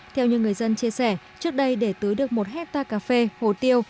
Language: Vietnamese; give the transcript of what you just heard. theo như người dân chia sẻ trước đây để tưới được một hectare cà phê hồ tiêu